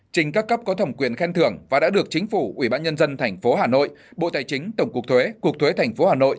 trình các cấp có thẩm quyền khen thưởng và đã được chính phủ ủy ban nhân dân tp hà nội bộ tài chính tổng cục thuế cục thuế tp hà nội